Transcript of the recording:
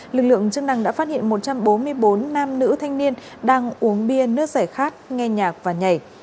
lực lượng chức năng đã phát hiện một trăm bốn mươi bốn nam nữ thanh niên đang uống bia nước giải khát nghe nhạc và nhảy